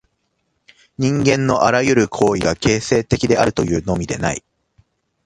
人間のあらゆる行為が形成的であるというのみでない。